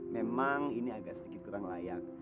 memang ini agak sedikit kurang layak